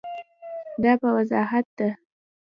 دا په وضاحت ده.